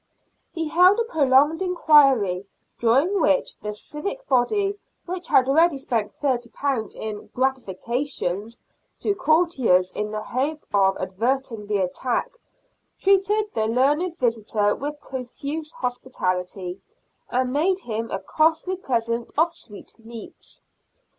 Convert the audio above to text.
He held a prolonged inquiry, during which the civic body, which had already spent £30 in " gratifications " to courtiers in the hope of averting the attack, treated the learned visitor with profuse hospitality, and made him a costly present of sweetmeats.